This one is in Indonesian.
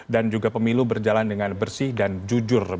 dan juga pemilu berjalan dengan bersih dan jujur